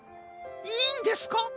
いいんですか？